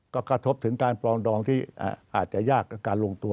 ก็กระทบถึงการปลองดองที่อาจจะยากกับการลงตัว